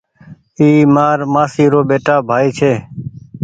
اي مآر مآسي رو ٻيٽآ ڀآئي ڇي